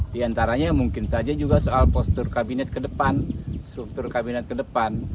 di antaranya mungkin saja juga soal postur kabinet ke depan struktur kabinet ke depan